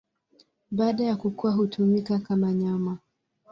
Baada ya kukua hutumika kama nyama.